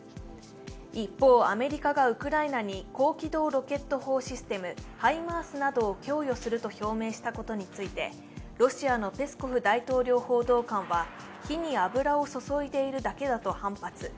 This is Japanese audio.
一方、アメリカがウクライナに高機動ロケット砲システム・ハイマースなどを供与すると表明したことについてロシアのペスコフ大統領報道官は、火に油を注いでいるだけだと反発。